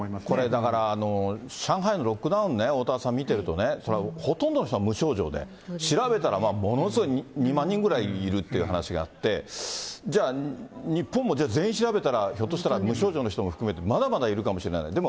これだから、上海のロックダウンね、おおたわさん、見てるとね、ほとんどの人は無症状で、調べたらばものすごい、２万人ぐらいいるって話があって、じゃあ、日本も全員調べたら、ひょっとしたら無症状の人も含めてまだまだいるかもしれない。